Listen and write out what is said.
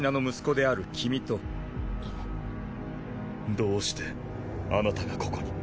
どうしてあなたがここに？